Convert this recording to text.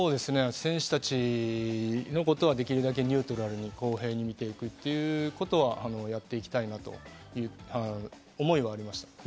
選手たちのことはできるだけニュートラルに公平に見ていくということは、やっていきたいなという思いはありました。